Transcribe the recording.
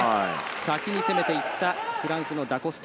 先に攻めていったフランスのダ・コスタ。